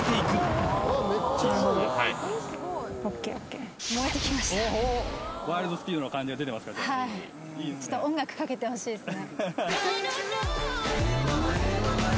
はいちょっと音楽かけてほしいですね